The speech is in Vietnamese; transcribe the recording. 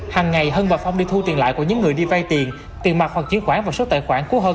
hằng ngày hân và phong đi thu tiền lại của những người đi vay tiền mặt hoặc chuyển khoản và số tài khoản của hân